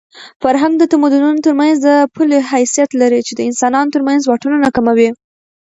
فرهنګ د تمدنونو ترمنځ د پله حیثیت لري چې د انسانانو ترمنځ واټنونه کموي.